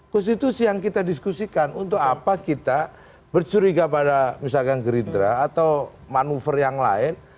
konstitusi yang kita diskusikan untuk apa kita bercuriga pada misalkan gerindra atau manuver yang lain